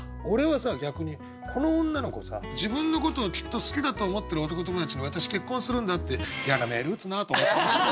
俺はさ逆にこの女の子さ自分のことをきっと好きだと思ってる男友達に「私結婚するんだ」って嫌なメール打つなと思った。